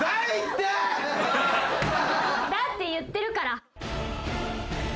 だって言ってるから。